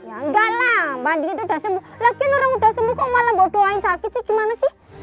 enggak lah bu andien udah sembuh lagi orang udah sembuh kok malah bawa doain sakit sih gimana sih